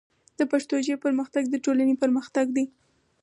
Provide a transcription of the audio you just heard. د پښتو ژبې پرمختګ د ټولنې پرمختګ دی.